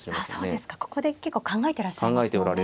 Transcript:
ここで結構考えてらっしゃいますもんね。